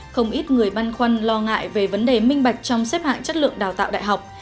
không ít người băn khoăn lo ngại về vấn đề minh bạch trong xếp hạng chất lượng đào tạo đại học